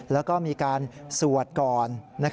แล้วก็มีการสวดก่อน